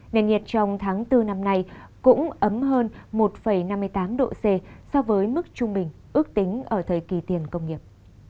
nền nhiệt trong tháng bốn năm nay cũng ấm hơn một năm mươi tám độ c so với mức trung bình ước tính ở thời kỳ tiền công nghiệp